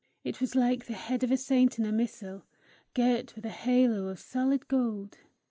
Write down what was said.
It was like the head of a saint in a missal, girt with a halo of solid gold.